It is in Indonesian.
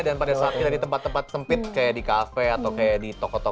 dan pada saat kita di tempat tempat sempit kayak di cafe atau kayak di toko gitu